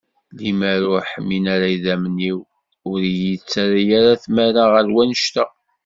Limer ur ḥmin ara yidammen-iw ur iyi-tettarra ara tmara ɣer wanect-a.